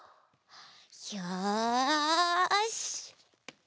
よし！